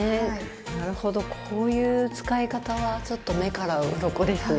なるほどこういう使い方はちょっと目からうろこですね。